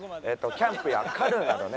キャンプやカヌーなどね